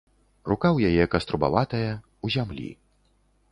Рука ў яе каструбаватая, у зямлі.